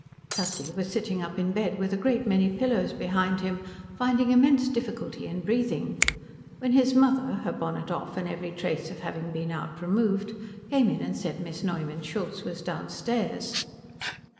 Tussie was sitting up in bed with a great many pillows behind him, finding immense difficulty in breathing, when his mother, her bonnet off and every trace of having been out removed, came in and said Miss Neumann Schultz was downstairs.